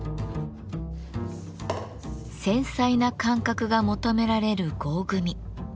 繊細な感覚が求められる合組。